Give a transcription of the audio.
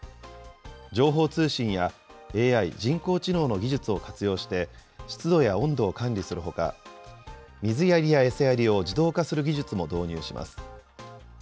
情報通信やＡＩ・人工知能の技術を活用して、湿度や温度を管理するほか、水やりや餌やりを自動化する技術も導入します。